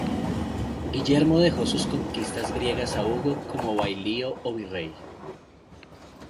Guillermo dejó sus conquistas griegas a Hugo como bailío o virrey.